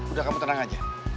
udah kamu tenang aja